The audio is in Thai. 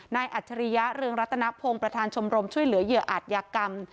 อัจฉริยะเรืองรัตนพงศ์ประธานชมรมช่วยเหลือเหยื่ออาจยากรรม